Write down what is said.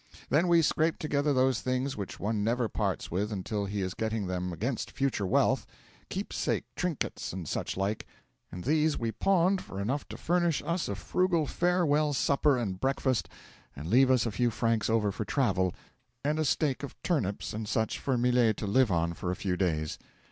Then we scraped together those things which one never parts with until he is betting them against future wealth keepsake trinkets and suchlike and these we pawned for enough to furnish us a frugal farewell supper and breakfast, and leave us a few francs over for travel, and a stake of turnips and such for Millet to live on for a few days.